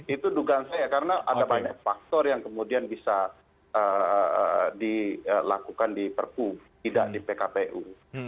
itu dugaan saya karena ada banyak faktor yang kemudian bisa dilakukan di perpu tidak di pkpu